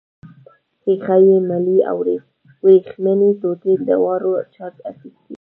ښيښه یي میلې او وریښمينې ټوټې دواړو چارج اخیستی.